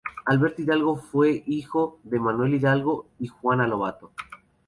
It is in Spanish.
Alberto Hidalgo fue hijo de Manuel Hidalgo y Juana Lobato.